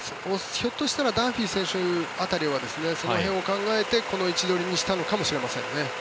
ひょっとしたらダンフィー選手辺りはその辺を考えてこの位置取りにしたのかもしれませんね。